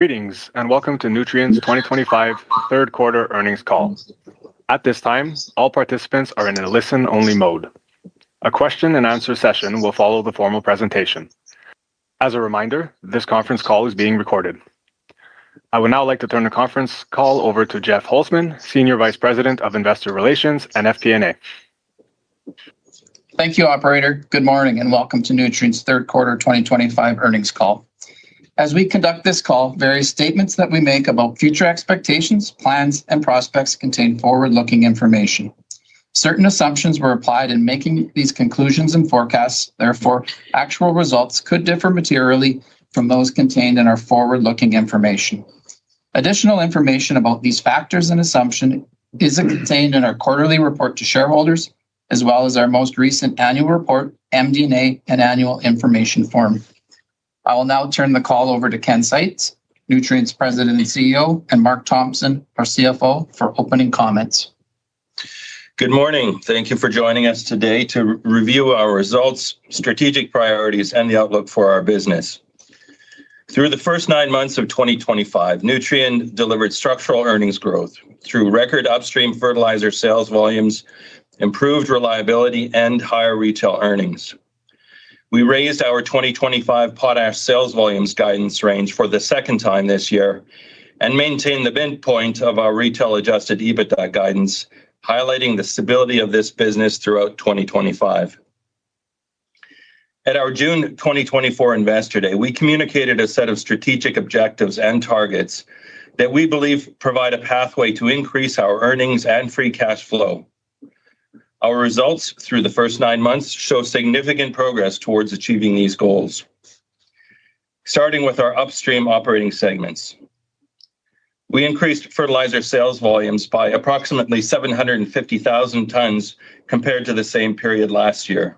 Greetings and welcome to Nutrien's 2025 third-quarter earnings call. At this time, all participants are in a listen-only mode. A question-and-answer session will follow the formal presentation. As a reminder, this conference call is being recorded. I would now like to turn the conference call over to Jeff Holzman, Senior Vice President of Investor Relations and FP&A. Thank you, Operator. Good morning and welcome to Nutrien's third-quarter 2025 earnings call. As we conduct this call, various statements that we make about future expectations, plans, and prospects contain forward-looking information. Certain assumptions were applied in making these conclusions and forecasts, therefore, actual results could differ materially from those contained in our forward-looking information. Additional information about these factors and assumptions is contained in our quarterly report to shareholders, as well as our most recent annual report, MD&A, and annual information form. I will now turn the call over to Ken Seitz, Nutrien's President and CEO, and Mark Thompson, our CFO, for opening comments. Good morning. Thank you for joining us today to review our results, strategic priorities, and the outlook for our business. Through the first nine months of 2025, Nutrien delivered structural earnings growth through record upstream fertilizer sales volumes, improved reliability, and higher retail earnings. We raised our 2025 potash sales volumes guidance range for the second time this year and maintained the midpoint of our retail-adjusted EBITDA guidance, highlighting the stability of this business throughout 2025. At our June 2024 Investor Day, we communicated a set of strategic objectives and targets that we believe provide a pathway to increase our earnings and free cash flow. Our results through the first nine months show significant progress towards achieving these goals. Starting with our upstream operating segments. We increased fertilizer sales volumes by approximately 750,000 tons compared to the same period last year.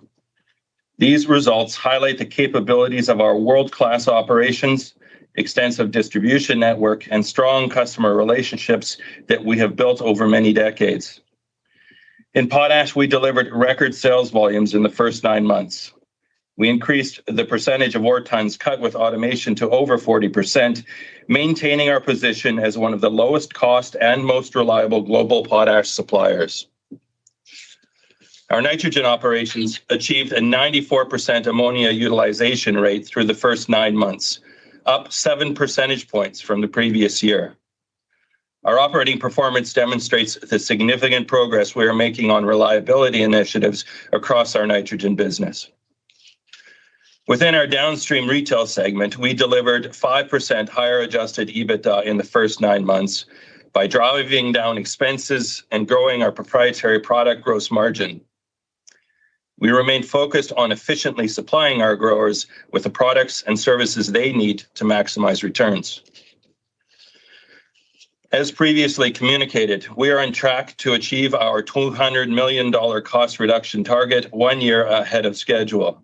These results highlight the capabilities of our world-class operations, extensive distribution network, and strong customer relationships that we have built over many decades. In potash, we delivered record sales volumes in the first nine months. We increased the percentage of ore tons cut with automation to over 40%, maintaining our position as one of the lowest-cost and most reliable global potash suppliers. Our nitrogen operations achieved a 94% ammonia utilization rate through the first nine months, up 7 percentage points from the previous year. Our operating performance demonstrates the significant progress we are making on reliability initiatives across our nitrogen business. Within our downstream retail segment, we delivered 5% higher adjusted EBITDA in the first nine months by driving down expenses and growing our proprietary product gross margin. We remain focused on efficiently supplying our growers with the products and services they need to maximize returns. As previously communicated, we are on track to achieve our $200 million cost reduction target one year ahead of schedule.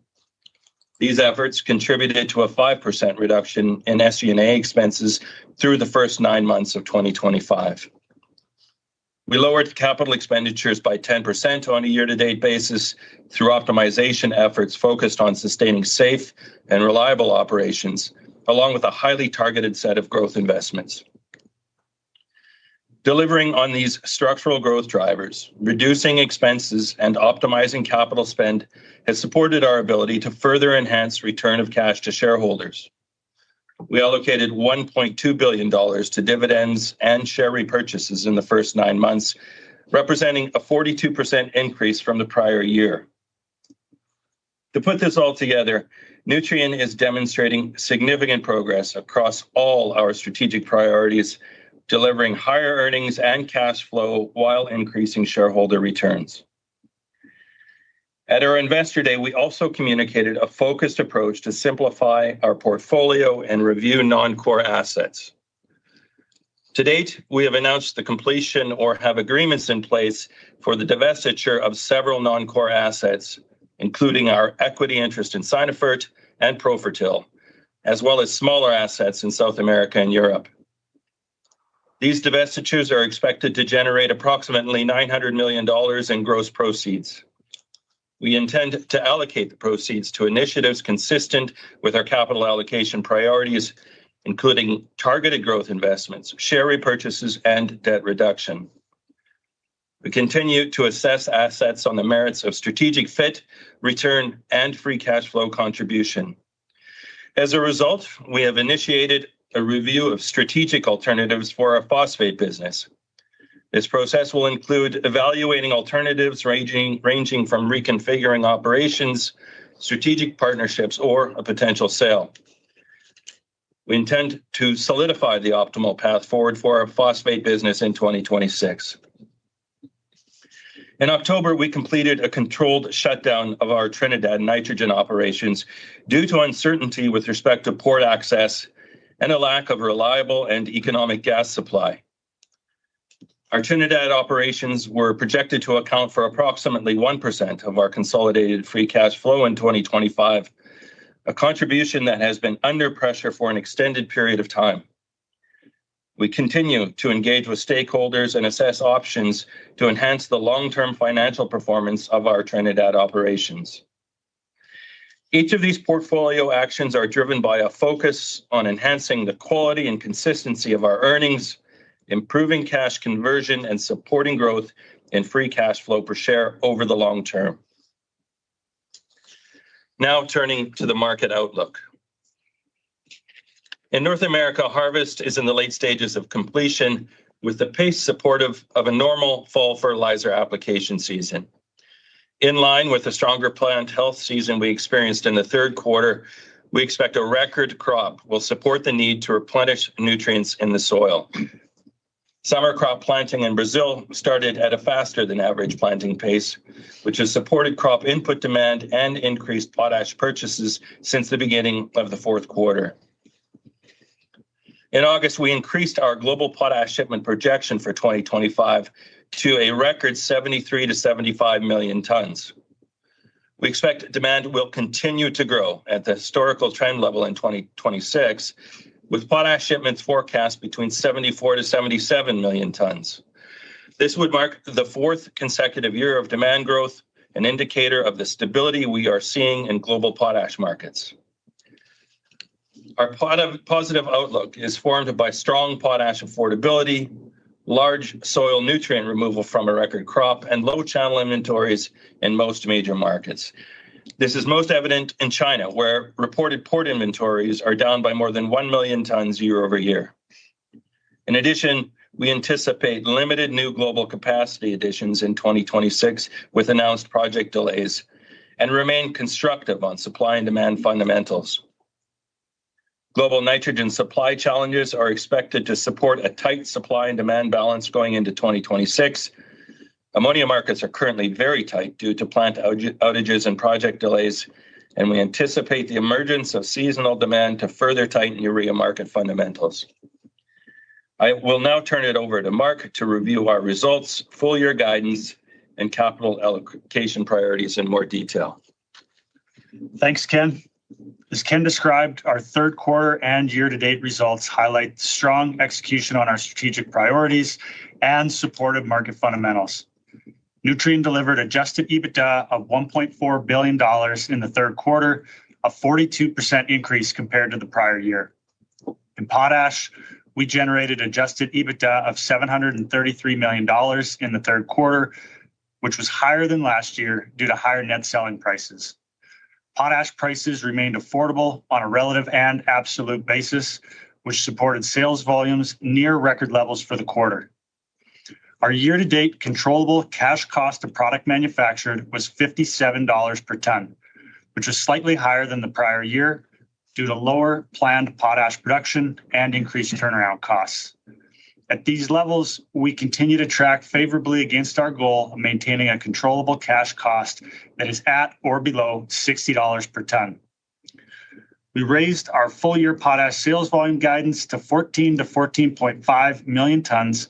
These efforts contributed to a 5% reduction in SE&A expenses through the first nine months of 2025. We lowered capital expenditures by 10% on a year-to-date basis through optimization efforts focused on sustaining safe and reliable operations, along with a highly targeted set of growth investments. Delivering on these structural growth drivers, reducing expenses, and optimizing capital spend has supported our ability to further enhance return of cash to shareholders. We allocated $1.2 billion to dividends and share repurchases in the first nine months, representing a 42% increase from the prior year. To put this all together, Nutrien is demonstrating significant progress across all our strategic priorities, delivering higher earnings and cash flow while increasing shareholder returns. At our Investor Day, we also communicated a focused approach to simplify our portfolio and review non-core assets. To date, we have announced the completion or have agreements in place for the divestiture of several non-core assets, including our equity interest in Sinofert and Profertil, as well as smaller assets in South America and Europe. These divestitures are expected to generate approximately $900 million in gross proceeds. We intend to allocate the proceeds to initiatives consistent with our capital allocation priorities, including targeted growth investments, share repurchases, and debt reduction. We continue to assess assets on the merits of strategic fit, return, and free cash flow contribution. As a result, we have initiated a review of strategic alternatives for our phosphate business. This process will include evaluating alternatives ranging from reconfiguring operations, strategic partnerships, or a potential sale. We intend to solidify the optimal path forward for our phosphate business in 2026. In October, we completed a controlled shutdown of our Trinidad nitrogen operations due to uncertainty with respect to port access and a lack of reliable and economic gas supply. Our Trinidad operations were projected to account for approximately 1% of our consolidated free cash flow in 2025. A contribution that has been under pressure for an extended period of time. We continue to engage with stakeholders and assess options to enhance the long-term financial performance of our Trinidad operations. Each of these portfolio actions is driven by a focus on enhancing the quality and consistency of our earnings, improving cash conversion, and supporting growth in free cash flow per share over the long term. Now, turning to the market outlook. In North America, harvest is in the late stages of completion, with the pace supportive of a normal fall fertilizer application season. In line with the stronger plant health season we experienced in the third quarter, we expect a record crop will support the need to replenish nutrients in the soil. Summer crop planting in Brazil started at a faster-than-average planting pace, which has supported crop input demand and increased potash purchases since the beginning of the fourth quarter. In August, we increased our global potash shipment projection for 2025 to a record 73-75 million tons. We expect demand will continue to grow at the historical trend level in 2026, with potash shipments forecast between 74-77 million tons. This would mark the fourth consecutive year of demand growth, an indicator of the stability we are seeing in global potash markets. Our positive outlook is formed by strong potash affordability, large soil nutrient removal from a record crop, and low channel inventories in most major markets. This is most evident in China, where reported port inventories are down by more than 1 million tons year-over-year. In addition, we anticipate limited new global capacity additions in 2026 with announced project delays and remain constructive on supply and demand fundamentals. Global nitrogen supply challenges are expected to support a tight supply and demand balance going into 2026. Ammonia markets are currently very tight due to plant outages and project delays, and we anticipate the emergence of seasonal demand to further tighten urea market fundamentals. I will now turn it over to Mark to review our results, full-year guidance, and capital allocation priorities in more detail. Thanks, Ken. As Ken described, our third quarter and year-to-date results highlight strong execution on our strategic priorities and supportive market fundamentals. Nutrien delivered adjusted EBITDA of $1.4 billion in the third quarter, a 42% increase compared to the prior year. In potash, we generated adjusted EBITDA of $733 million in the third quarter, which was higher than last year due to higher net selling prices. Potash prices remained affordable on a relative and absolute basis, which supported sales volumes near record levels for the quarter. Our year-to-date controllable cash cost of product manufactured was $57 per ton, which was slightly higher than the prior year due to lower planned potash production and increased turnaround costs. At these levels, we continue to track favorably against our goal of maintaining a controllable cash cost that is at or below $60 per ton. We raised our full-year potash sales volume guidance to 14-14.5 million tons,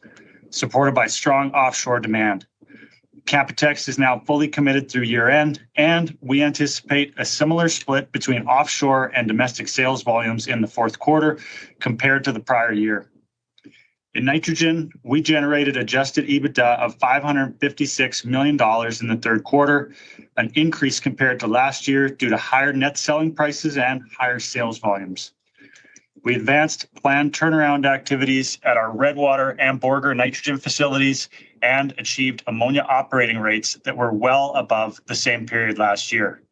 supported by strong offshore demand. CapEx is now fully committed through year-end, and we anticipate a similar split between offshore and domestic sales volumes in the fourth quarter compared to the prior year. In nitrogen, we generated adjusted EBITDA of $556 million in the third quarter, an increase compared to last year due to higher net selling prices and higher sales volumes. We advanced planned turnaround activities at our Redwater and Borger nitrogen facilities and achieved ammonia operating rates that were well above the same period last year.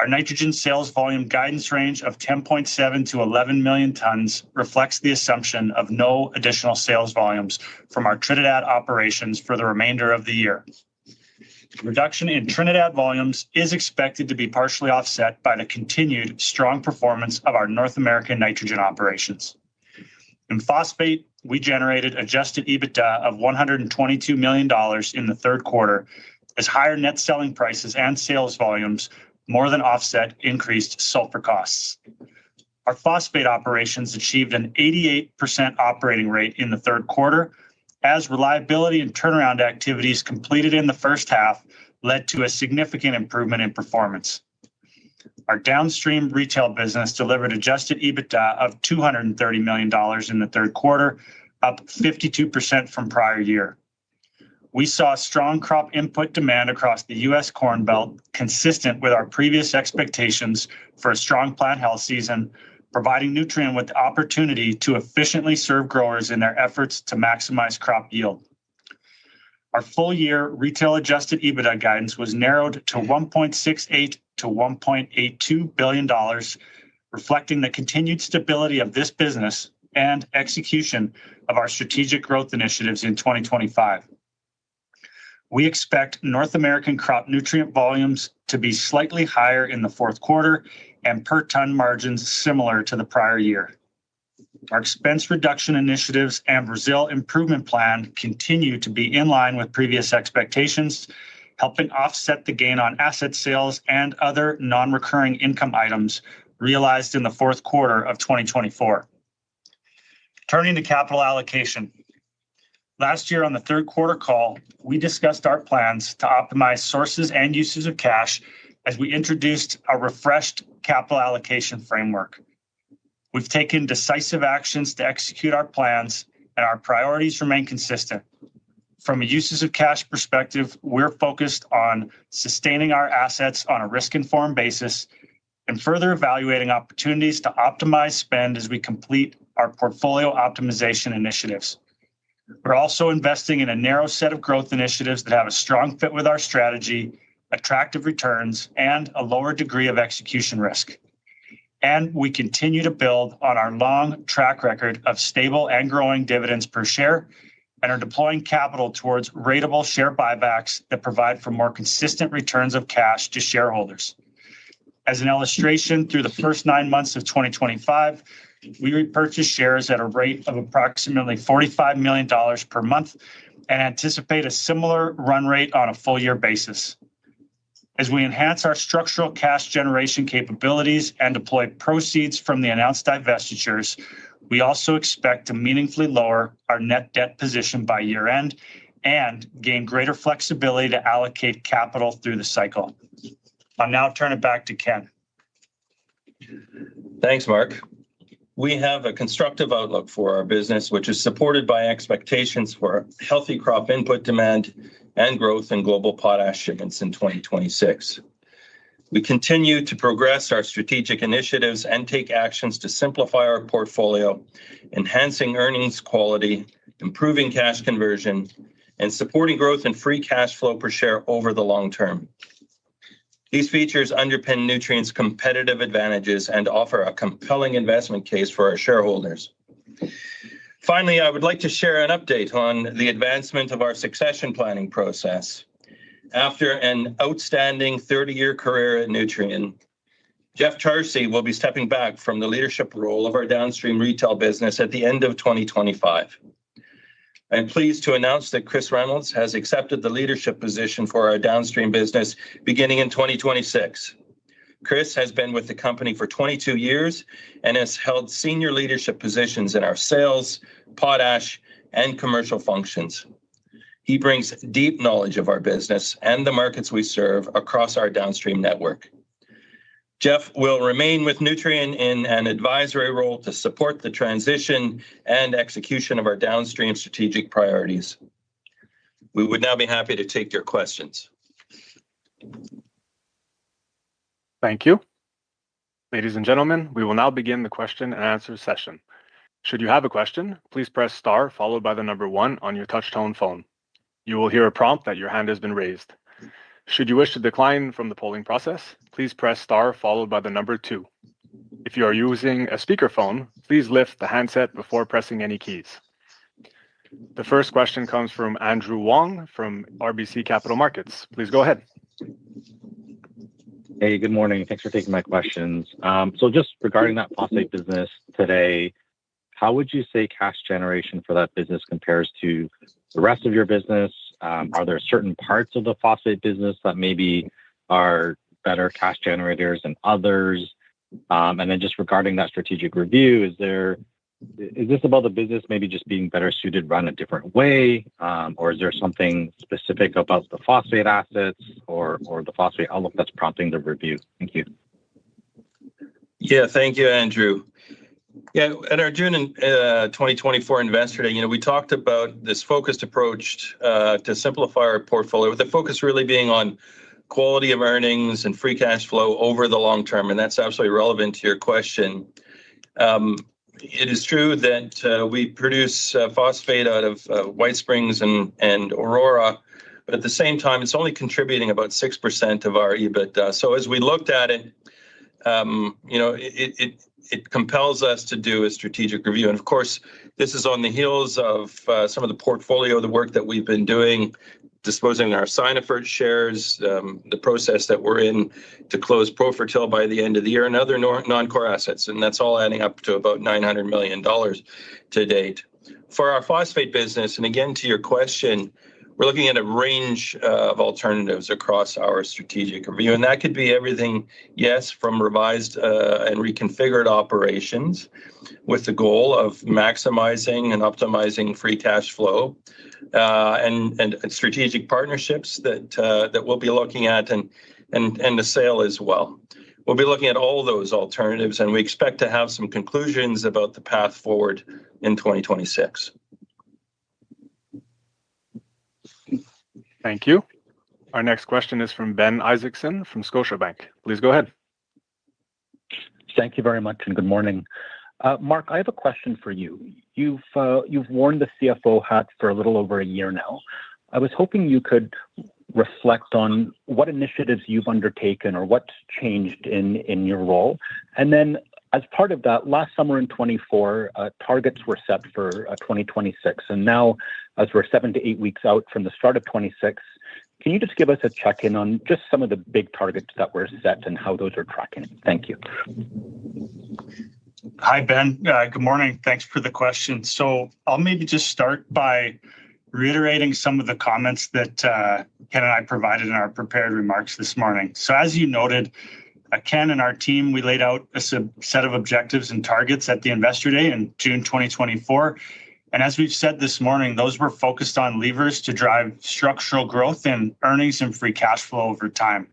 Our nitrogen sales volume guidance range of 10.7-11 million tons reflects the assumption of no additional sales volumes from our Trinidad operations for the remainder of the year. The reduction in Trinidad volumes is expected to be partially offset by the continued strong performance of our North American nitrogen operations. In phosphate, we generated adjusted EBITDA of $122 million in the third quarter, as higher net selling prices and sales volumes more than offset increased sulfur costs. Our phosphate operations achieved an 88% operating rate in the third quarter, as reliability and turnaround activities completed in the first half led to a significant improvement in performance. Our downstream retail business delivered adjusted EBITDA of $230 million in the third quarter, up 52% from prior year. We saw strong crop input demand across the U.S. Corn Belt, consistent with our previous expectations for a strong plant health season, providing Nutrien with the opportunity to efficiently serve growers in their efforts to maximize crop yield. Our full-year retail adjusted EBITDA guidance was narrowed to $1.68 billion-$1.82 billion. Reflecting the continued stability of this business and execution of our strategic growth initiatives in 2025. We expect North American crop nutrient volumes to be slightly higher in the fourth quarter and per ton margins similar to the prior year. Our expense reduction initiatives and Brazil improvement plan continue to be in line with previous expectations, helping offset the gain on asset sales and other non-recurring income items realized in the fourth quarter of 2024. Turning to capital allocation. Last year, on the third quarter call, we discussed our plans to optimize sources and uses of cash as we introduced a refreshed capital allocation framework. We've taken decisive actions to execute our plans, and our priorities remain consistent. From a uses of cash perspective, we're focused on sustaining our assets on a risk-informed basis and further evaluating opportunities to optimize spend as we complete our portfolio optimization initiatives. We're also investing in a narrow set of growth initiatives that have a strong fit with our strategy, attractive returns, and a lower degree of execution risk. We continue to build on our long track record of stable and growing dividends per share and are deploying capital towards ratable share buybacks that provide for more consistent returns of cash to shareholders. As an illustration, through the first nine months of 2025, we repurchased shares at a rate of approximately $45 million per month and anticipate a similar run rate on a full-year basis. As we enhance our structural cash generation capabilities and deploy proceeds from the announced divestitures, we also expect to meaningfully lower our net debt position by year-end and gain greater flexibility to allocate capital through the cycle. I'll now turn it back to Ken. Thanks, Mark. We have a constructive outlook for our business, which is supported by expectations for healthy crop input demand and growth in global potash shipments in 2026. We continue to progress our strategic initiatives and take actions to simplify our portfolio, enhancing earnings quality, improving cash conversion, and supporting growth in free cash flow per share over the long term. These features underpin Nutrien's competitive advantages and offer a compelling investment case for our shareholders. Finally, I would like to share an update on the advancement of our succession planning process. After an outstanding 30-year career at Nutrien, Jeff Tarsi will be stepping back from the leadership role of our downstream retail business at the end of 2025. I am pleased to announce that Chris Reynolds has accepted the leadership position for our downstream business beginning in 2026. Chris has been with the company for 22 years and has held senior leadership positions in our sales, potash, and commercial functions. He brings deep knowledge of our business and the markets we serve across our downstream network. Jeff will remain with Nutrien in an advisory role to support the transition and execution of our downstream strategic priorities. We would now be happy to take your questions. Thank you. Ladies and gentlemen, we will now begin the question and answer session. Should you have a question, please press star followed by the number one on your touch-tone phone. You will hear a prompt that your hand has been raised. Should you wish to decline from the polling process, please press star followed by the number two. If you are using a speakerphone, please lift the handset before pressing any keys. The first question comes from Andrew Wong from RBC Capital Markets. Please go ahead. Hey, good morning. Thanks for taking my questions. Just regarding that phosphate business today, how would you say cash generation for that business compares to the rest of your business? Are there certain parts of the phosphate business that maybe are better cash generators than others? Just regarding that strategic review, is this about the business maybe just being better suited to run a different way, or is there something specific about the phosphate assets or the phosphate outlook that's prompting the review? Thank you. Yeah, thank you, Andrew. Yeah, at our June 2024 investor day, we talked about this focused approach to simplify our portfolio, with the focus really being on quality of earnings and free cash flow over the long term. That's absolutely relevant to your question. It is true that we produce phosphate out of White Springs and Aurora, but at the same time, it's only contributing about 6% of our EBITDA. As we looked at it, it compels us to do a strategic review. Of course, this is on the heels of some of the portfolio work that we've been doing, disposing of our Sinofert shares, the process that we're in to close Profertil by the end of the year, and other non-core assets. That's all adding up to about $900 million to date. For our phosphate business, and again, to your question, we're looking at a range of alternatives across our strategic review. That could be everything, yes, from revised and reconfigured operations with the goal of maximizing and optimizing free cash flow. Strategic partnerships that we'll be looking at and the sale as well. We'll be looking at all those alternatives, and we expect to have some conclusions about the path forward in 2026. Thank you. Our next question is from Ben Isaacson from Scotiabank. Please go ahead. Thank you very much and good morning. Mark, I have a question for you. You've worn the CFO hat for a little over a year now. I was hoping you could reflect on what initiatives you've undertaken or what's changed in your role. Then as part of that, last summer in 2024, targets were set for 2026. Now, as we're seven to eight weeks out from the start of 2026, can you just give us a check-in on just some of the big targets that were set and how those are tracking? Thank you. Hi, Ben. Good morning. Thanks for the question. I'll maybe just start by reiterating some of the comments that Ken and I provided in our prepared remarks this morning. As you noted, Ken and our team, we laid out a set of objectives and targets at the investor day in June 2024. As we've said this morning, those were focused on levers to drive structural growth in earnings and free cash flow over time.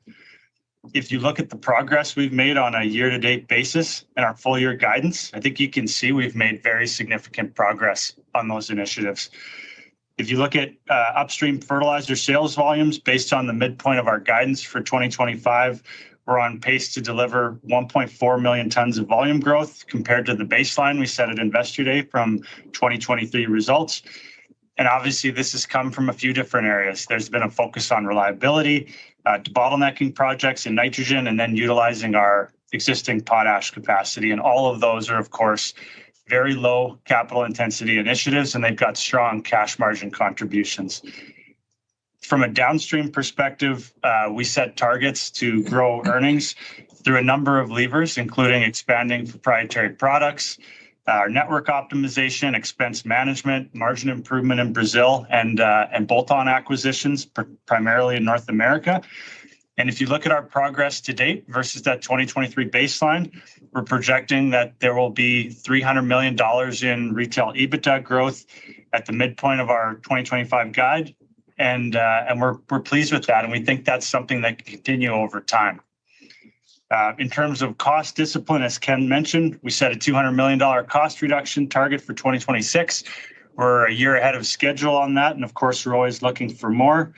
If you look at the progress we've made on a year-to-date basis in our full-year guidance, I think you can see we've made very significant progress on those initiatives. If you look at upstream fertilizer sales volumes based on the midpoint of our guidance for 2025, we're on pace to deliver 1.4 million tons of volume growth compared to the baseline we set at investor day from 2023 results. Obviously, this has come from a few different areas. There has been a focus on reliability, debottlenecking projects in nitrogen, and then utilizing our existing potash capacity. All of those are, of course, very low capital intensity initiatives, and they have strong cash margin contributions. From a downstream perspective, we set targets to grow earnings through a number of levers, including expanding proprietary products, our network optimization, expense management, margin improvement in Brazil, and bolt-on acquisitions, primarily in North America. If you look at our progress to date versus that 2023 baseline, we are projecting that there will be $300 million in retail EBITDA growth at the midpoint of our 2025 guide. We are pleased with that, and we think that is something that can continue over time. In terms of cost discipline, as Ken mentioned, we set a $200 million cost reduction target for 2026. We're a year ahead of schedule on that, and of course, we're always looking for more.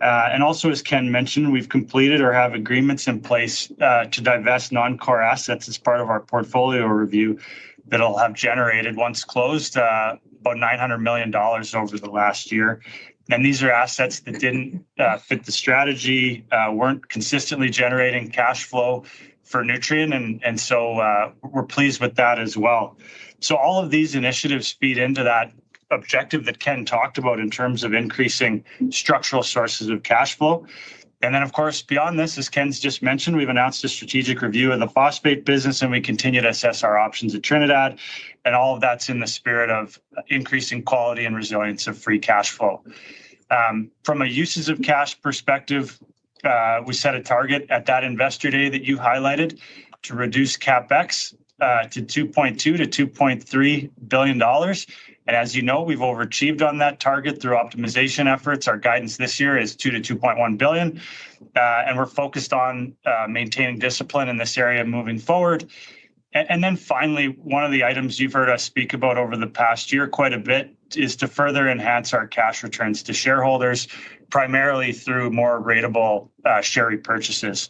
Also, as Ken mentioned, we've completed or have agreements in place to divest non-core assets as part of our portfolio review that'll have generated, once closed, about $900 million over the last year. These are assets that didn't fit the strategy, weren't consistently generating cash flow for Nutrien, and we're pleased with that as well. All of these initiatives feed into that objective that Ken talked about in terms of increasing structural sources of cash flow. Of course, beyond this, as Ken's just mentioned, we've announced a strategic review of the phosphate business, and we continue to assess our options at Trinidad. All of that's in the spirit of increasing quality and resilience of free cash flow. From a uses of cash perspective, we set a target at that investor day that you highlighted to reduce CapEx to $2.2-$2.3 billion. As you know, we have overachieved on that target through optimization efforts. Our guidance this year is $2-$2.1 billion. We are focused on maintaining discipline in this area moving forward. Finally, one of the items you have heard us speak about over the past year quite a bit is to further enhance our cash returns to shareholders, primarily through more ratable share repurchases.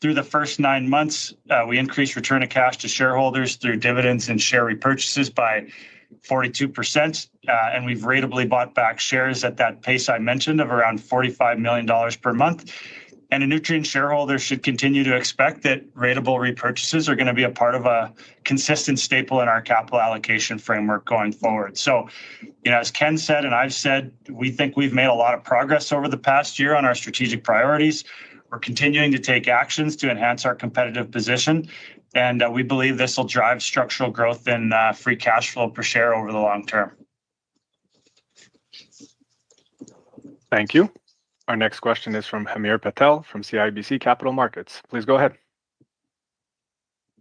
Through the first nine months, we increased return of cash to shareholders through dividends and share repurchases by 42%. We have ratably bought back shares at that pace I mentioned of around $45 million per month. A Nutrien shareholder should continue to expect that ratable repurchases are going to be a part of a consistent staple in our capital allocation framework going forward. As Ken said and I've said, we think we've made a lot of progress over the past year on our strategic priorities. We're continuing to take actions to enhance our competitive position. We believe this will drive structural growth in free cash flow per share over the long term. Thank you. Our next question is from Hamir Patel from CIBC Capital Markets. Please go ahead.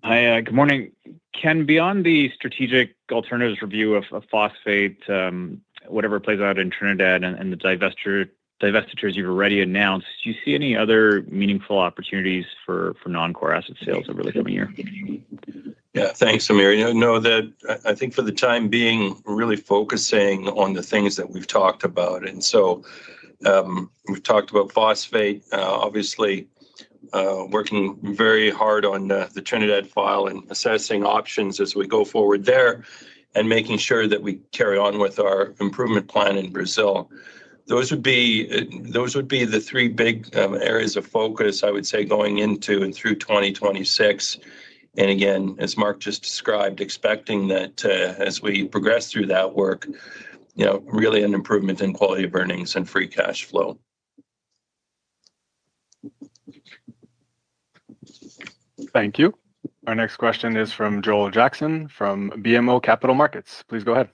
Hi, good morning. Ken, beyond the strategic alternatives review of phosphate, whatever plays out in Trinidad and the divestitures you've already announced, do you see any other meaningful opportunities for non-core asset sales over the coming year? Yeah, thanks, Hamir. I think for the time being, we're really focusing on the things that we've talked about. We've talked about phosphate, obviously. Working very hard on the Trinidad file and assessing options as we go forward there and making sure that we carry on with our improvement plan in Brazil. Those would be the three big areas of focus, I would say, going into and through 2026. Again, as Mark just described, expecting that as we progress through that work, really an improvement in quality of earnings and free cash flow. Thank you. Our next question is from Joel Jackson from BMO Capital Markets. Please go ahead.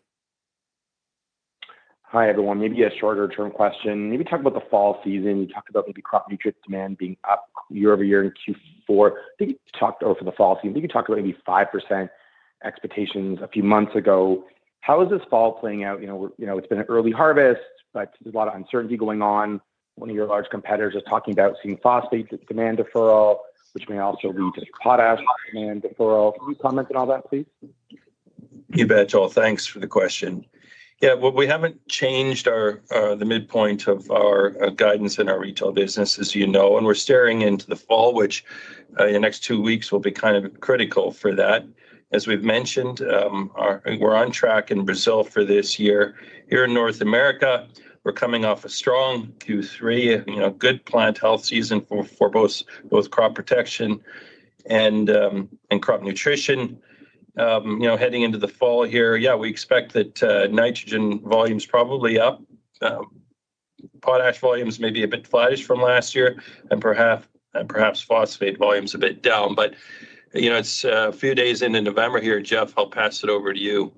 Hi, everyone. Maybe a shorter-term question. Maybe talk about the fall season. You talked about maybe crop nutrient demand being up year-over-year in Q4. I think you talked over the fall season. I think you talked about maybe 5% expectations a few months ago. How is this fall playing out? It's been an early harvest, but there's a lot of uncertainty going on. One of your large competitors is talking about seeing phosphate demand deferral, which may also lead to potash demand deferral. Can you comment on all that, please? You bet, Joel. Thanks for the question. Yeah, we haven't changed the midpoint of our guidance in our retail business, as you know, and we're staring into the fall, which in the next two weeks will be kind of critical for that, as we've mentioned. We're on track in Brazil for this year. Here in North America, we're coming off a strong Q3, a good plant health season for both crop protection and crop nutrition. Heading into the fall here, yeah, we expect that nitrogen volumes probably up. Potash volumes may be a bit flattish from last year, and perhaps phosphate volumes a bit down. It's a few days into November here, Jeff, I'll pass it over to you.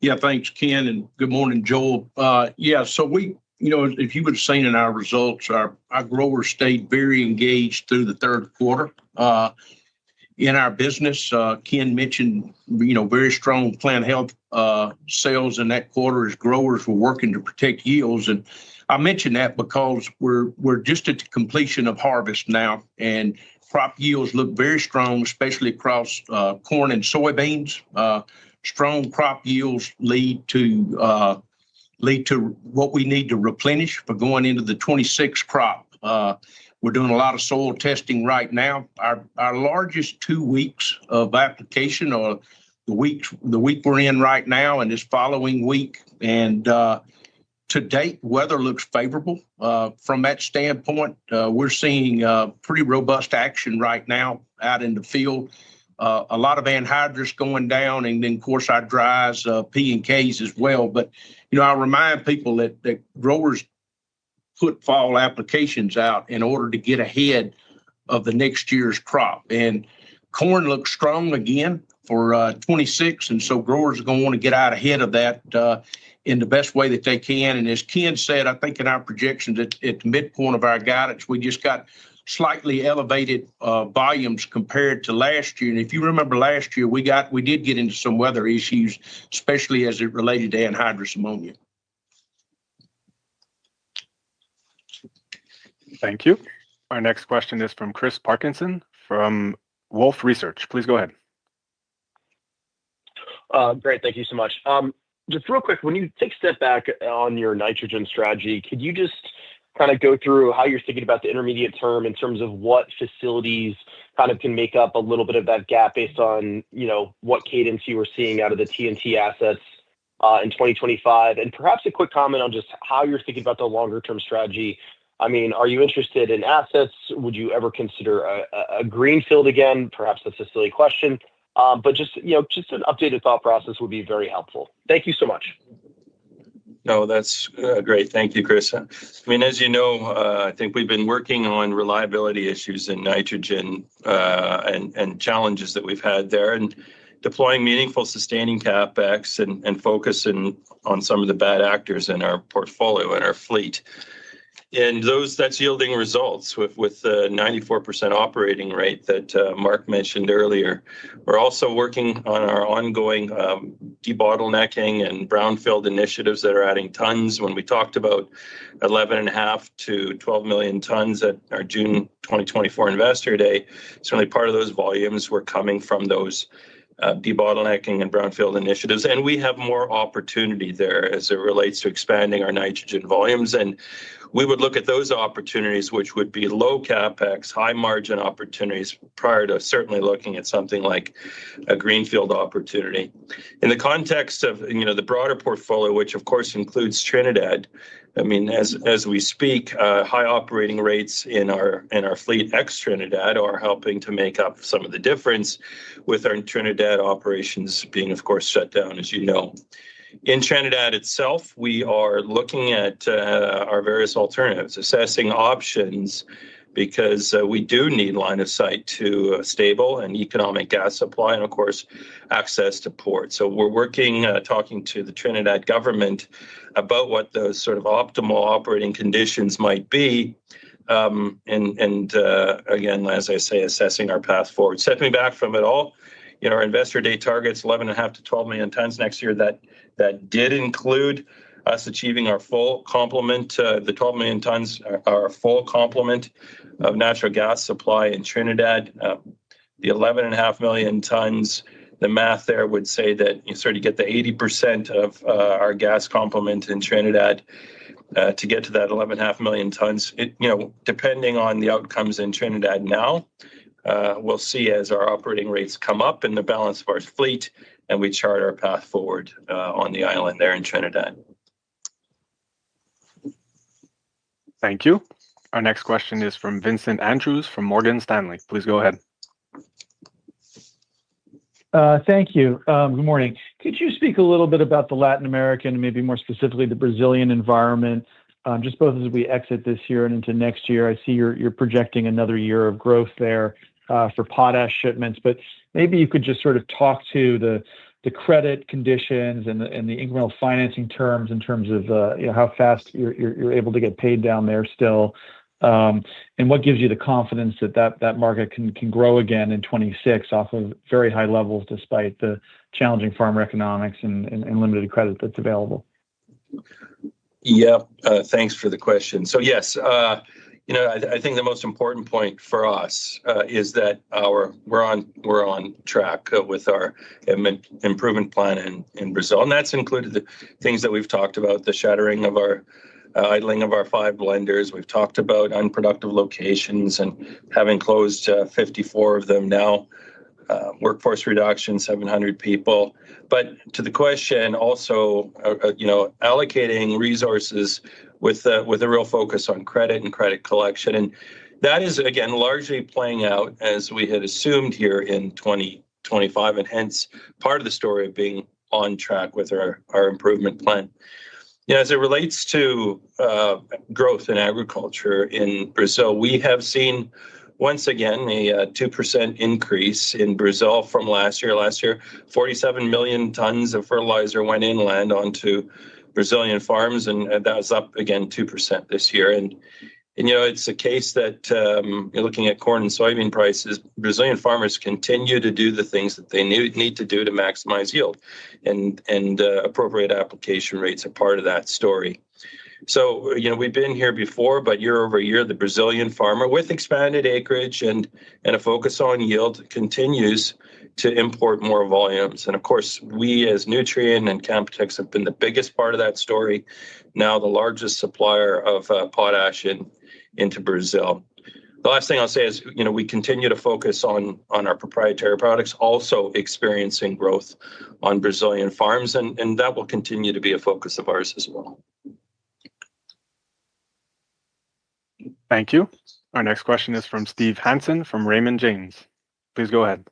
Yeah, thanks, Ken, and good morning, Joel. Yeah, so if you would have seen in our results, our growers stayed very engaged through the third quarter. In our business, Ken mentioned very strong plant health. Sales in that quarter as growers were working to protect yields. I mention that because we're just at the completion of harvest now, and crop yields look very strong, especially across corn and soybeans. Strong crop yields lead to what we need to replenish for going into the 2026 crop. We're doing a lot of soil testing right now. Our largest two weeks of application are the week we're in right now and this following week. To date, weather looks favorable. From that standpoint, we're seeing pretty robust action right now out in the field. A lot of anhydrous going down, and then, of course, our dries, P&Ks as well. I remind people that growers put fall applications out in order to get ahead of the next year's crop. Corn looks strong again for 2026, and growers are going to want to get out ahead of that in the best way that they can. As Ken said, I think in our projections at the midpoint of our guidance, we just got slightly elevated volumes compared to last year. If you remember last year, we did get into some weather issues, especially as it related to anhydrous ammonia. Thank you. Our next question is from Chris Parkinson from Wolfe Research. Please go ahead. Great, thank you so much. Just real quick, when you take a step back on your nitrogen strategy, could you just kind of go through how you're thinking about the intermediate term in terms of what facilities kind of can make up a little bit of that gap based on what cadence you were seeing out of the Trinidad assets in 2025? And perhaps a quick comment on just how you're thinking about the longer-term strategy. I mean, are you interested in assets? Would you ever consider a greenfield again? Perhaps that's a silly question. But just an updated thought process would be very helpful. Thank you so much. No, that's great. Thank you, Chris. I mean, as you know, I think we've been working on reliability issues in nitrogen. And challenges that we've had there and deploying meaningful sustaining CapEx and focusing on some of the bad actors in our portfolio and our fleet. And that's yielding results with the 94% operating rate that Mark mentioned earlier. We're also working on our ongoing debottlenecking and brownfield initiatives that are adding tons. When we talked about 11.5-12 million tons at our June 2024 investor day, certainly part of those volumes were coming from those debottlenecking and brownfield initiatives. And we have more opportunity there as it relates to expanding our nitrogen volumes. And we would look at those opportunities, which would be low CapEx, high margin opportunities prior to certainly looking at something like a greenfield opportunity. In the context of the broader portfolio, which of course includes Trinidad, I mean, as we speak, high operating rates in our fleet ex-Trinidad are helping to make up some of the difference with our Trinidad operations being, of course, shut down, as you know. In Trinidad itself, we are looking at our various alternatives, assessing options because we do need line of sight to stable and economic gas supply and, of course, access to ports. We are working, talking to the Trinidad government about what those sort of optimal operating conditions might be. Again, as I say, assessing our path forward. Stepping back from it all, our investor day targets, 11.5-12 million tons next year, that did include us achieving our full complement, the 12 million tons are a full complement of natural gas supply in Trinidad. The 11.5 million tons, the math there would say that you sort of get the 80% of our gas complement in Trinidad to get to that 11.5 million tons. Depending on the outcomes in Trinidad now. We'll see as our operating rates come up in the balance of our fleet and we chart our path forward on the island there in Trinidad. Thank you. Our next question is from Vincent Andrews from Morgan Stanley. Please go ahead. Thank you. Good morning. Could you speak a little bit about the Latin American and maybe more specifically the Brazilian environment, just both as we exit this year and into next year? I see you're projecting another year of growth there for potash shipments, but maybe you could just sort of talk to the credit conditions and the incremental financing terms in terms of how fast you're able to get paid down there still. What gives you the confidence that that market can grow again in 2026 off of very high levels despite the challenging farmer economics and limited credit that's available? Yeah, thanks for the question. Yes, I think the most important point for us is that we're on track with our improvement plan in Brazil. That has included the things that we've talked about, the shuttering or idling of our five blenders. We've talked about unproductive locations and having closed 54 of them now. Workforce reduction, 700 people. To the question also, allocating resources with a real focus on credit and credit collection. That is, again, largely playing out as we had assumed here in 2025, and hence part of the story of being on track with our improvement plan. As it relates to growth in agriculture in Brazil, we have seen once again a 2% increase in Brazil from last year. Last year, 47 million tons of fertilizer went inland onto Brazilian farms, and that was up again 2% this year. It's the case that. Looking at corn and soybean prices, Brazilian farmers continue to do the things that they need to do to maximize yield. Appropriate application rates are part of that story. We've been here before, but year-over-year, the Brazilian farmer with expanded acreage and a focus on yield continues to import more volumes. Of course, we as Nutrien and Canpotex have been the biggest part of that story, now the largest supplier of potash into Brazil. The last thing I'll say is we continue to focus on our proprietary products, also experiencing growth on Brazilian farms, and that will continue to be a focus of ours as well. Thank you. Our next question is from Steve Hansen from Raymond James. Please go ahead.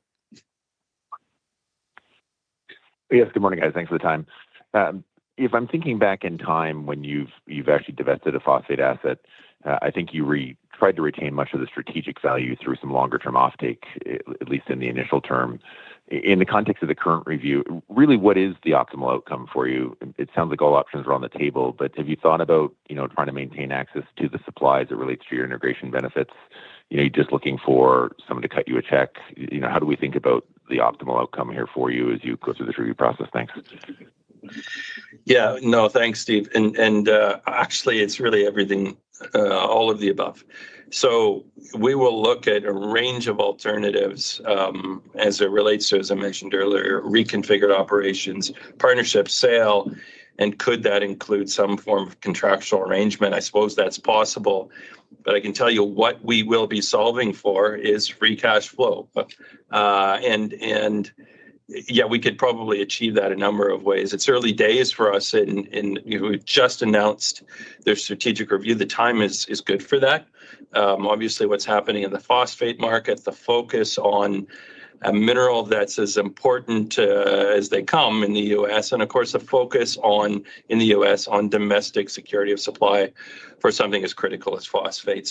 Yes, good morning, guys. Thanks for the time. If I'm thinking back in time when you've actually divested a phosphate asset, I think you tried to retain much of the strategic value through some longer-term offtake, at least in the initial term. In the context of the current review, really, what is the optimal outcome for you? It sounds like all options were on the table, but have you thought about trying to maintain access to the supplies that relates to your integration benefits? You're just looking for someone to cut you a check? How do we think about the optimal outcome here for you as you go through this review process? Thanks. Yeah, no, thanks, Steve. Actually, it's really everything, all of the above. We will look at a range of alternatives as it relates to, as I mentioned earlier, reconfigured operations, partnership sale, and could that include some form of contractual arrangement? I suppose that's possible. I can tell you what we will be solving for is free cash flow. Yeah, we could probably achieve that a number of ways. It's early days for us, and we just announced their strategic review. The time is good for that. Obviously, what's happening in the phosphate market, the focus on a mineral that's as important as they come in the U.S., and of course, the focus in the U.S. on domestic security of supply for something as critical as phosphate.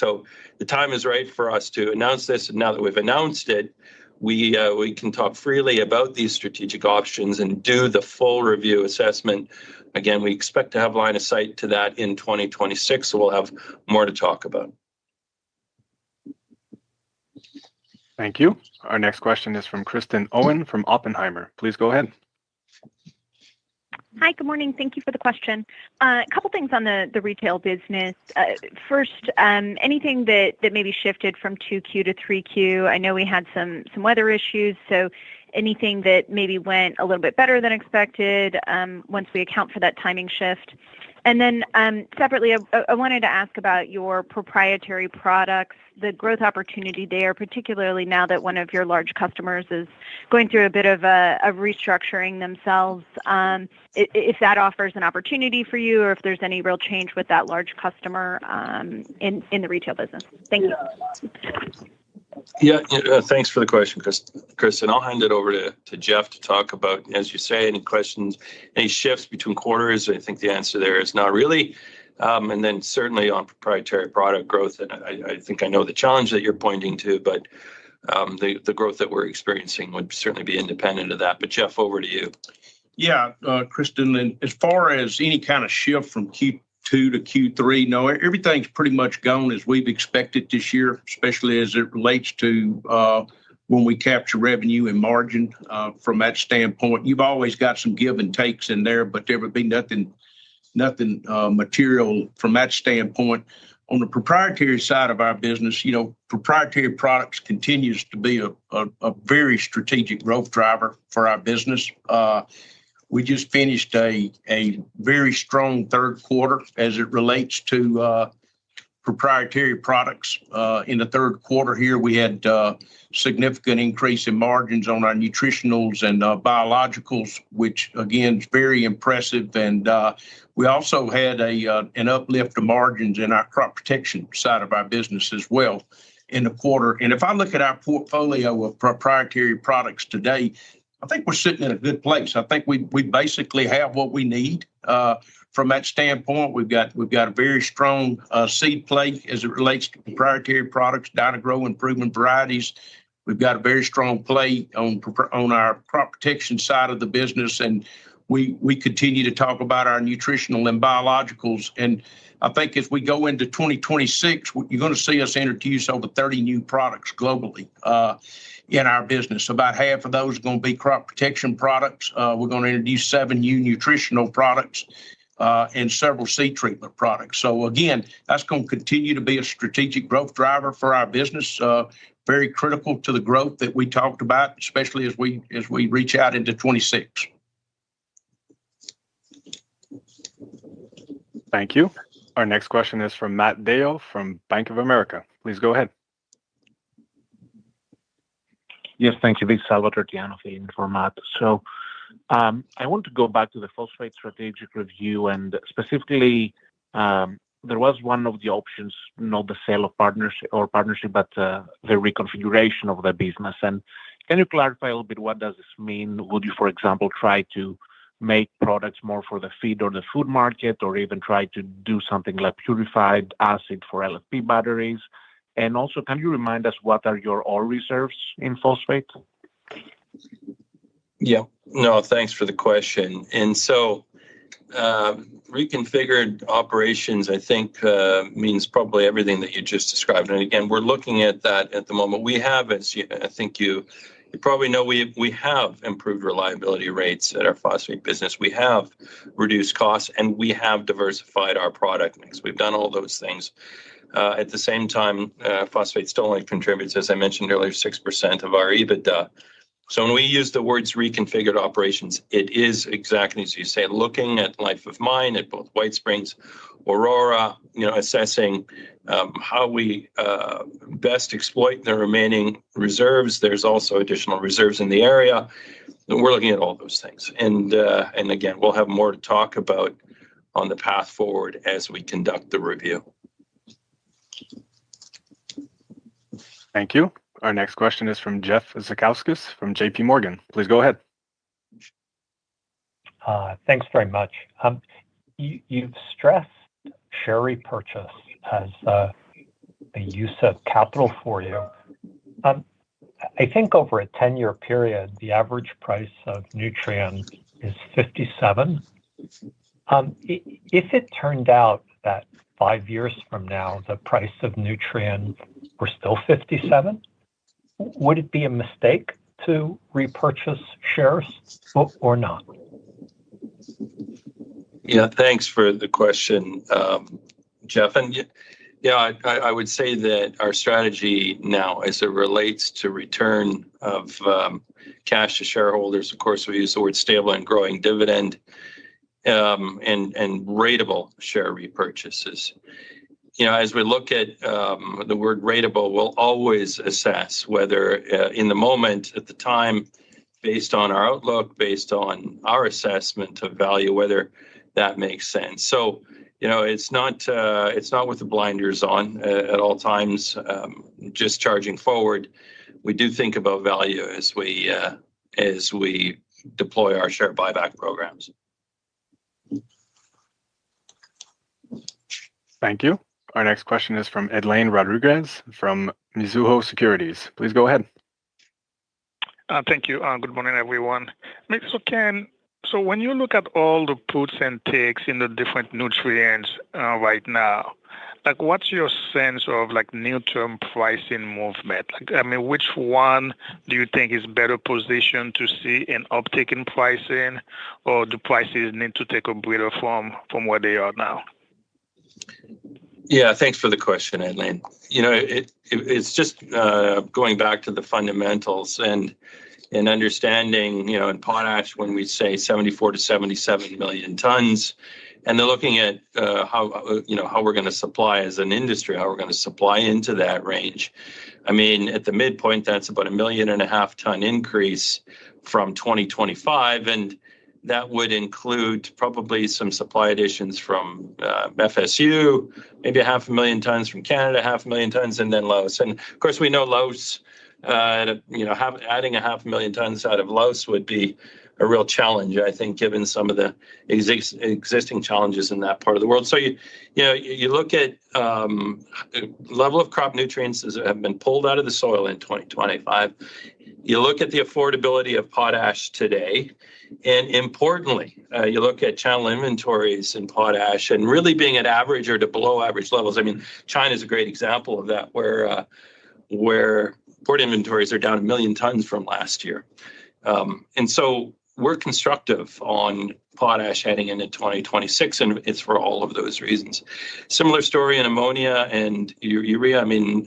The time is right for us to announce this. Now that we've announced it, we can talk freely about these strategic options and do the full review assessment. Again, we expect to have line of sight to that in 2026, so we'll have more to talk about. Thank you. Our next question is from Kristen Owen from Oppenheimer. Please go ahead. Hi, good morning. Thank you for the question. A couple of things on the retail business. First, anything that maybe shifted from 2Q-3Q? I know we had some weather issues, so anything that maybe went a little bit better than expected once we account for that timing shift. Separately, I wanted to ask about your proprietary products, the growth opportunity there, particularly now that one of your large customers is going through a bit of a restructuring themselves. If that offers an opportunity for you or if there is any real change with that large customer in the retail business. Thank you. Yeah, thanks for the question, Kristen. I'll hand it over to Jeff to talk about, as you say, any questions, any shifts between quarters. I think the answer there is not really. Certainly on proprietary product growth, and I think I know the challenge that you're pointing to, but the growth that we're experiencing would certainly be independent of that. Jeff, over to you. Yeah, Kristen, as far as any kind of shift from Q2-Q3, no, everything's pretty much gone as we've expected this year, especially as it relates to when we capture revenue and margin from that standpoint. You've always got some give and takes in there, but there would be nothing material from that standpoint. On the proprietary side of our business, proprietary products continues to be a very strategic growth driver for our business. We just finished a very strong third quarter as it relates to proprietary products. In the third quarter here, we had a significant increase in margins on our nutritionals and biologicals, which again, is very impressive. And we also had an uplift of margins in our crop protection side of our business as well in the quarter. If I look at our portfolio of proprietary products today, I think we're sitting in a good place. I think we basically have what we need. From that standpoint, we've got a very strong seed plate as it relates to proprietary products, Dyna-Gro, improvement varieties. We've got a very strong plate on our crop protection side of the business, and we continue to talk about our nutritional and biologicals. I think if we go into 2026, you're going to see us introduce over 30 new products globally in our business. About half of those are going to be crop protection products. We're going to introduce seven new nutritional products and several seed treatment products. That is going to continue to be a strategic growth driver for our business. Very critical to the growth that we talked about, especially as we reach out into 2026. Thank you. Our next question is from Matt Dale from Bank of America. Please go ahead. Yes, thank you. This is Salvatore Tiano for Matt. I want to go back to the phosphate strategic review, and specifically, there was one of the options, not the sale or partnership, but the reconfiguration of the business. Can you clarify a little bit what does this mean? Would you, for example, try to make products more for the feed or the food market, or even try to do something like purified acid for LFP batteries? Also, can you remind us what are your all reserves in phosphate? Yeah, no, thanks for the question. Reconfigured operations, I think, means probably everything that you just described. Again, we're looking at that at the moment. We have, as I think you probably know, improved reliability rates at our phosphate business. We have reduced costs, and we have diversified our product mix. We've done all those things. At the same time, phosphate still only contributes, as I mentioned earlier, 6% of our EBITDA. When we use the words reconfigured operations, it is exactly as you say, looking at life of mine at both White Springs, Aurora, assessing how we best exploit the remaining reserves. There are also additional reserves in the area. We're looking at all those things. Again, we'll have more to talk about on the path forward as we conduct the review. Thank you. Our next question is from Jeff Zekauskas from JPMorgan. Please go ahead. Thanks very much. You've stressed share repurchase as the use of capital for you. I think over a 10-year period, the average price of Nutrien is $57. If it turned out that five years from now, the price of Nutrien were still $57, would it be a mistake to repurchase shares or not? Yeah, thanks for the question, Jeff. I would say that our strategy now, as it relates to return of cash to shareholders, of course, we use the word stable and growing dividend and ratable share repurchases. As we look at the word ratable, we'll always assess whether in the moment, at the time, based on our outlook, based on our assessment of value, whether that makes sense. It's not with the blinders on at all times. Just charging forward, we do think about value as we deploy our share buyback programs. Thank you. Our next question is from Edlain Rodriguez from Mizuho Securities. Please go ahead. Thank you. Good morning, everyone. When you look at all the puts and takes in the different nutrients right now, what's your sense of near-term pricing movement? I mean, which one do you think is better positioned to see an uptick in pricing, or do prices need to take a breather from where they are now? Yeah, thanks for the question, Edlain. It's just going back to the fundamentals and understanding in potash when we say 74-77 million tons. They're looking at how we're going to supply as an industry, how we're going to supply into that range. I mean, at the midpoint, that's about a 1.5 million ton increase from 2025. That would include probably some supply additions from FSU, maybe 500,000 tons from Canada, 500,000 tons, and then LOWS. Of course, we know LOWS. Adding 500,000 tons out of LOWS would be a real challenge, I think, given some of the existing challenges in that part of the world. You look at the level of crop nutrients that have been pulled out of the soil in 2025. You look at the affordability of potash today. Importantly, you look at channel inventories in potash and really being at average or to below average levels. I mean, China is a great example of that where port inventories are down a million tons from last year. We are constructive on potash heading into 2026, and it is for all of those reasons. Similar story in ammonia and urea. I mean,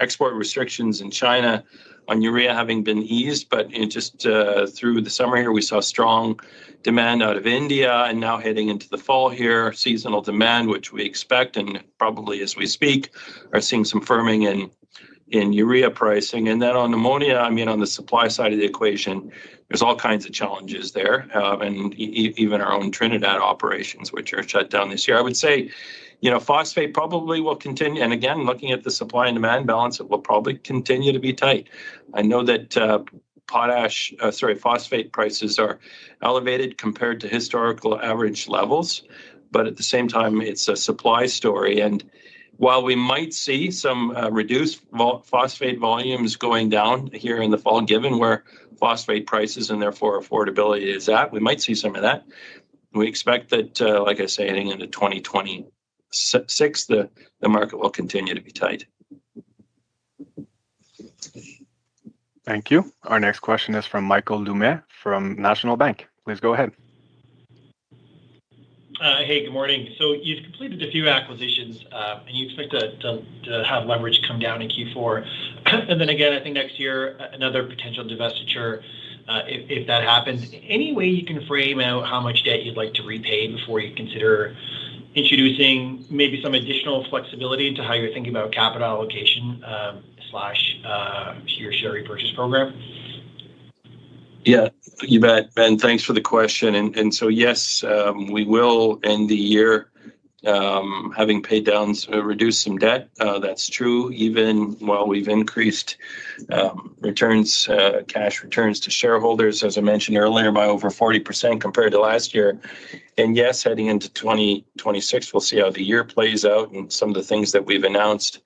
export restrictions in China on urea have been eased, but just through the summer here, we saw strong demand out of India and now heading into the fall here, seasonal demand, which we expect, and probably as we speak, are seeing some firming in urea pricing. On ammonia, I mean, on the supply side of the equation, there are all kinds of challenges there. Even our own Trinidad operations, which are shut down this year. I would say phosphate probably will continue. Again, looking at the supply and demand balance, it will probably continue to be tight. I know that. Phosphate prices are elevated compared to historical average levels, but at the same time, it is a supply story. While we might see some reduced phosphate volumes going down here in the fall, given where phosphate prices and therefore affordability is at, we might see some of that. We expect that, like I say, heading into 2026, the market will continue to be tight. Thank you. Our next question is from Michael Doumet from National Bank. Please go ahead. Hey, good morning. You've completed a few acquisitions, and you expect to have leverage come down in Q4. I think next year, another potential divestiture. If that happens, any way you can frame out how much debt you'd like to repay before you consider introducing maybe some additional flexibility into how you're thinking about capital allocation? Your share repurchase program? Yeah, you bet. Thanks for the question. Yes, we will end the year having paid down, reduced some debt. That's true, even while we've increased cash returns to shareholders, as I mentioned earlier, by over 40% compared to last year. Yes, heading into 2026, we'll see how the year plays out and some of the things that we've announced,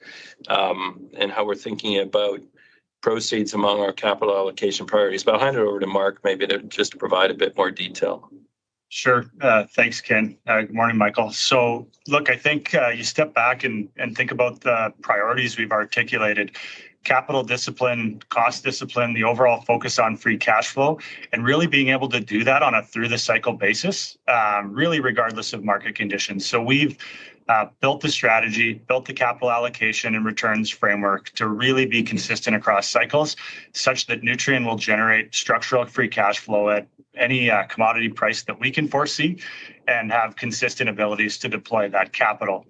and how we're thinking about proceeds among our capital allocation priorities. I'll hand it over to Mark maybe just to provide a bit more detail. Sure. Thanks, Ken. Good morning, Michael. Look, I think you step back and think about the priorities we've articulated: capital discipline, cost discipline, the overall focus on free cash flow, and really being able to do that on a through-the-cycle basis, really regardless of market conditions. We've built the strategy, built the capital allocation and returns framework to really be consistent across cycles such that Nutrien will generate structural free cash flow at any commodity price that we can foresee and have consistent abilities to deploy that capital.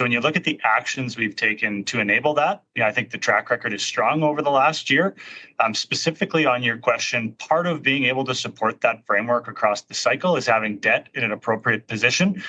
When you look at the actions we've taken to enable that, I think the track record is strong over the last year. Specifically on your question, part of being able to support that framework across the cycle is having debt in an appropriate position.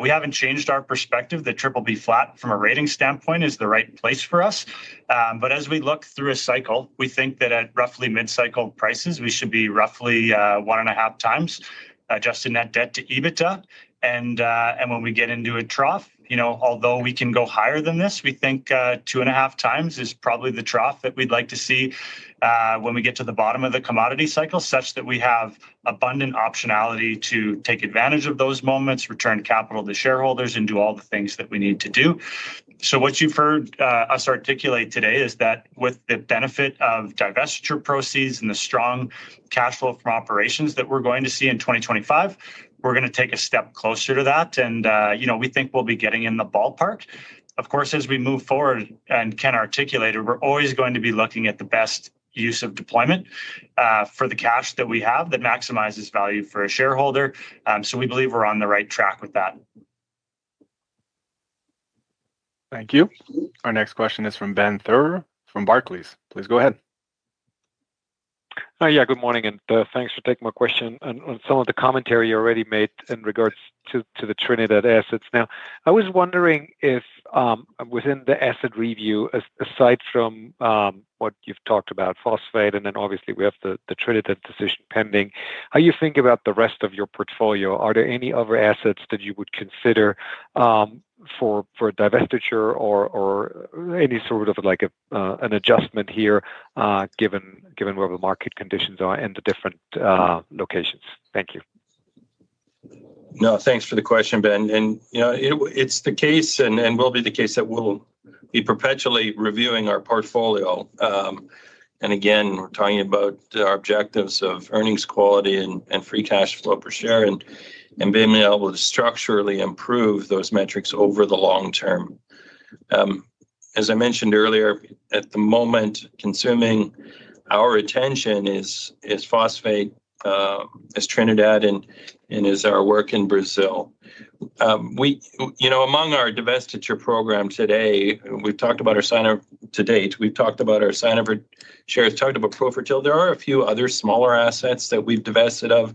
We have not changed our perspective that triple B flat from a rating standpoint is the right place for us. As we look through a cycle, we think that at roughly mid-cycle prices, we should be roughly one and a half times adjusted net debt to EBITDA. When we get into a trough, although we can go higher than this, we think two and a half times is probably the trough that we would like to see. When we get to the bottom of the commodity cycle such that we have abundant optionality to take advantage of those moments, return capital to shareholders, and do all the things that we need to do. What you have heard us articulate today is that with the benefit of divestiture proceeds and the strong cash flow from operations that we are going to see in 2025, we are going to take a step closer to that. We think we will be getting in the ballpark. Of course, as we move forward and can articulate it, we are always going to be looking at the best use of deployment for the cash that we have that maximizes value for a shareholder. We believe we are on the right track with that. Thank you. Our next question is from Ben Theurer from Barclays. Please go ahead. Yeah, good morning, and thanks for taking my question on some of the commentary you already made in regards to the Trinidad assets. Now, I was wondering if, within the asset review, aside from what you've talked about, phosphate, and then obviously we have the Trinidad decision pending, how do you think about the rest of your portfolio? Are there any other assets that you would consider for divestiture or any sort of like an adjustment here given where the market conditions are and the different locations? Thank you. No, thanks for the question, Ben. It is the case and will be the case that we'll be perpetually reviewing our portfolio. Again, we're talking about our objectives of earnings quality and free cash flow per share and being able to structurally improve those metrics over the long term. As I mentioned earlier, at the moment, consuming our attention is phosphate, is Trinidad, and is our work in Brazil. Among our divestiture program today, we've talked about our Sinofert to date. We've talked about our Sinofert shares, talked about Profertil. There are a few other smaller assets that we've divested of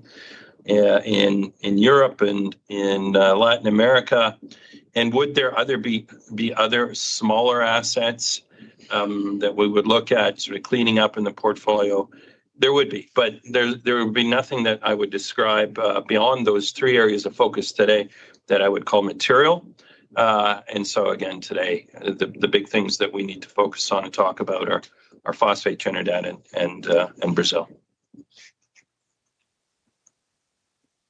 in Europe and in Latin America. Would there be other smaller assets that we would look at sort of cleaning up in the portfolio? There would be, but there would be nothing that I would describe beyond those three areas of focus today that I would call material. Again, today, the big things that we need to focus on and talk about are phosphate, Trinidad, and Brazil.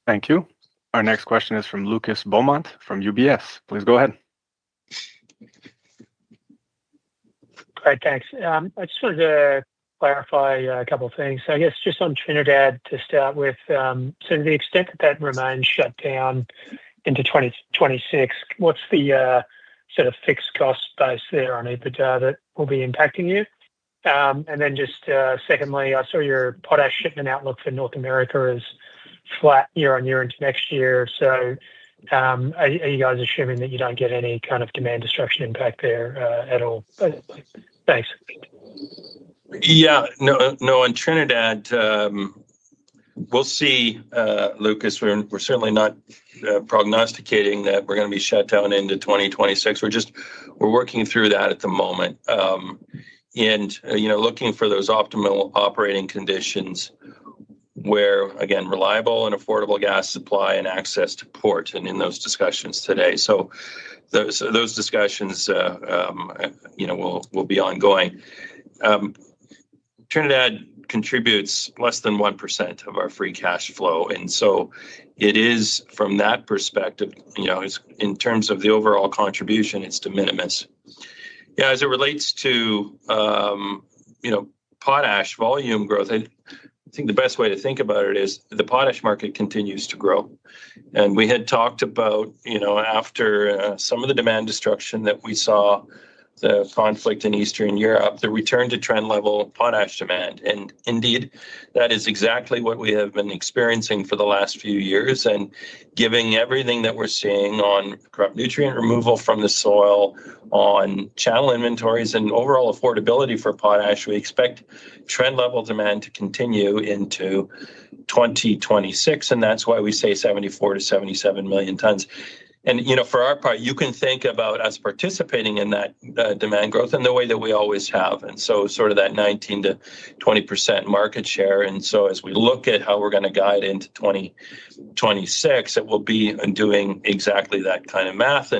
Thank you. Our next question is from Lucas Beaumont from UBS. Please go ahead. All right, thanks. I just wanted to clarify a couple of things. I guess just on Trinidad to start with. To the extent that that remains shut down into 2026, what's the sort of fixed cost base there on EBITDA that will be impacting you? Then just secondly, I saw your potash shipment outlook for North America is flat year on year into next year. Are you guys assuming that you do not get any kind of demand destruction impact there at all? Thanks. Yeah, no, on Trinidad. We'll see, Lucas. We're certainly not prognosticating that we're going to be shut down into 2026. We're working through that at the moment and looking for those optimal operating conditions, where, again, reliable and affordable gas supply and access to port, and in those discussions today. Those discussions will be ongoing. Trinidad contributes less than 1% of our free cash flow, and so it is, from that perspective, in terms of the overall contribution, it's de minimis. Yeah, as it relates to potash volume growth, I think the best way to think about it is the potash market continues to grow. We had talked about, after some of the demand destruction that we saw, the conflict in Eastern Europe, the return to trend level potash demand. And indeed, that is exactly what we have been experiencing for the last few years. Given everything that we are seeing on crop nutrient removal from the soil, on channel inventories, and overall affordability for potash, we expect trend level demand to continue into 2026. That is why we say 74-77 million tons. For our part, you can think about us participating in that demand growth in the way that we always have, so sort of that 19-20% market share. As we look at how we are going to guide into 2026, it will be doing exactly that kind of math.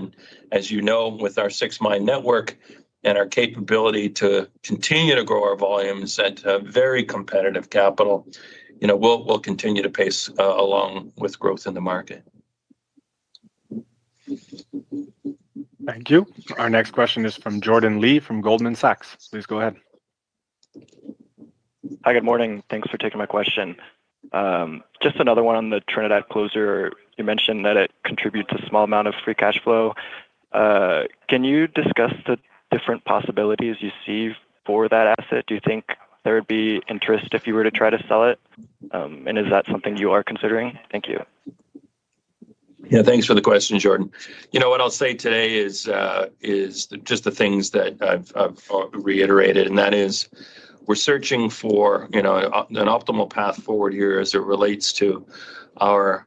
As you know, with our six-mine network and our capability to continue to grow our volumes at very competitive capital, we will continue to pace along with growth in the market. Thank you. Our next question is from Jordan Lee from Goldman Sachs. Please go ahead. Hi, good morning. Thanks for taking my question. Just another one on the Trinidad closure. You mentioned that it contributes a small amount of free cash flow. Can you discuss the different possibilities you see for that asset? Do you think there would be interest if you were to try to sell it? Is that something you are considering? Thank you. Yeah, thanks for the question, Jordan. You know what I'll say today is just the things that I've reiterated. That is, we're searching for an optimal path forward here as it relates to our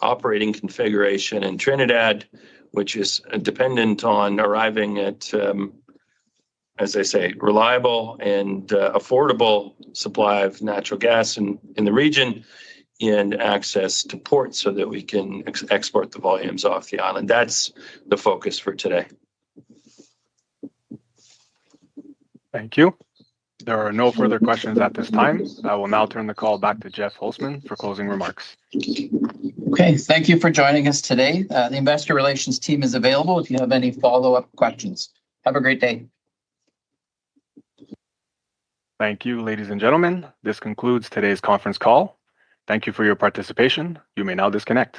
operating configuration in Trinidad, which is dependent on arriving at, as they say, reliable and affordable supply of natural gas in the region and access to ports so that we can export the volumes off the island. That's the focus for today. Thank you. There are no further questions at this time. I will now turn the call back to Jeff Holzman for closing remarks. Okay, thank you for joining us today. The investor relations team is available if you have any follow-up questions. Have a great day. Thank you, ladies and gentlemen. This concludes today's conference call. Thank you for your participation. You may now disconnect.